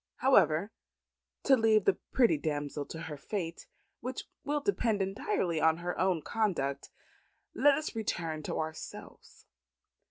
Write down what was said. However, to leave the pretty damsel to her fate, which will depend entirely on her own conduct, let us return to ourselves.